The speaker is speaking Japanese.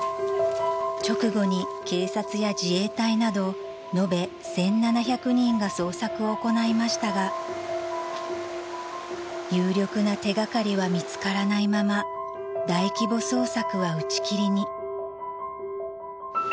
［直後に警察や自衛隊など延べ１，７００人が捜索を行いましたが有力な手掛かりは見つからないまま大規模捜索は打ち切りに］